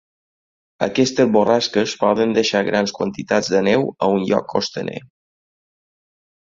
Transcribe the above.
Aquestes borrasques poden deixar grans quantitats de neu a un lloc costaner.